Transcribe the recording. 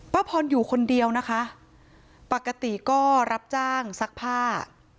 พรอยู่คนเดียวนะคะปกติก็รับจ้างซักผ้า